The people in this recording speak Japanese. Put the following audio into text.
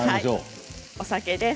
お酒です。